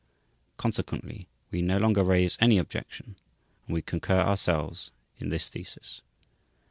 Consequently we no longer raise any objection and we concur ourselves in this thesis.